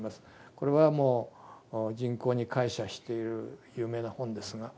これはもう人口に膾炙している有名な本ですが。